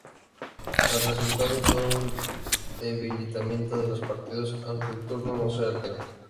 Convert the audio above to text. El resultado fue un debilitamiento de los partidos, aunque el turno no se alteró.